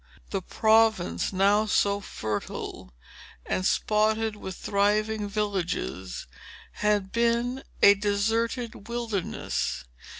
The province, now so fertile, and spotted with thriving villages, had been a desert wilderness.